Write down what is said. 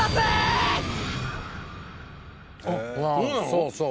そうそう。